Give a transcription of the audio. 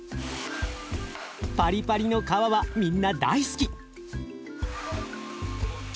パリパリの皮はみんな大好き。